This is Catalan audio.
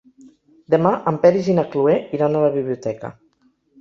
Demà en Peris i na Cloè iran a la biblioteca.